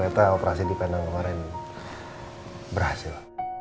dan hace itu operasi di penang kemarin berhasil